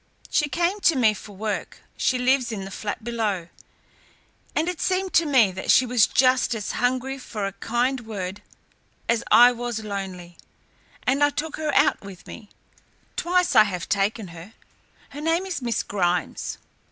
She came to me for work she lives in the flat below and it seemed to me that she was just as hungry for a kind word as I was lonely, and I took her out with me. Twice I have taken her. Her name is Miss Grimes."